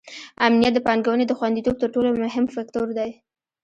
امنیت د پانګونې د خونديتوب تر ټولو مهم فکتور دی.